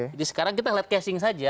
jadi sekarang kita lihat caching saja